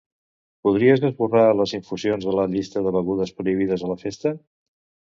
Podries esborrar les infusions de la llista de begudes prohibides a la festa?